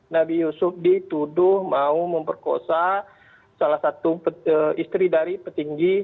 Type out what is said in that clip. nabi yusuf dituntut